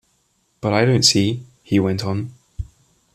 “But I don’t see,” he went on.